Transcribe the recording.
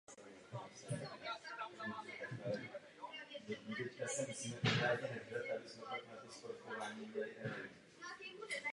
Číňané s Sověti ale přišli pouze o devět nebo dvanáct strojů.